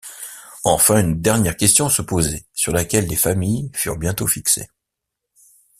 Enfin, une dernière question se posait sur laquelle les familles furent bientôt fixées.